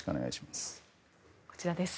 こちらです。